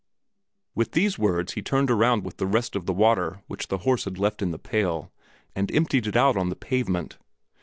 With these words he turned around with the rest of the water which the horse had left in the pail, and emptied it out on the pavement.